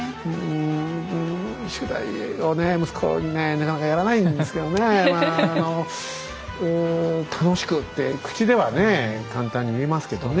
なかなかやらないんですけどねまああの「楽しく」って口ではね簡単に言えますけどね。